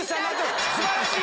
素晴らしい！